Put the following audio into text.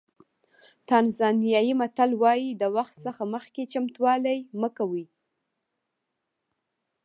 تانزانیایي متل وایي د وخت څخه مخکې چمتووالی مه کوئ.